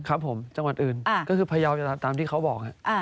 ครับผมจังหวัดอื่นก็คือพยาวตามที่เขาบอกครับ